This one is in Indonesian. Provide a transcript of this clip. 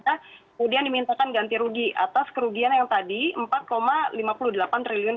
kemudian dimintakan ganti rugi atas kerugian yang tadi rp empat lima puluh delapan triliun